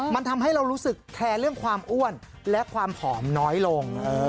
มันทำให้เรารู้สึกแคร์เรื่องความอ้วนและความผอมน้อยลง